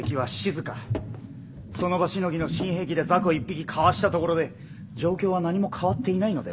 その場しのぎの新兵器で雑魚一匹かわしたところで状況は何も変わっていないのでは？